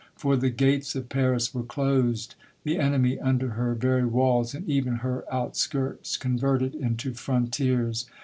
For the gates of Paris were closed, the enemy under her very walls, and even her out skirts converted into frontiers.